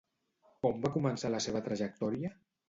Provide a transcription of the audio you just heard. Com va començar la seva trajectòria?